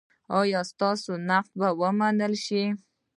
ایا ستاسو انتقاد به و نه منل شي؟